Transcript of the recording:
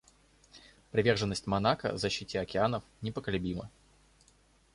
Приверженность Монако защите океанов непоколебима.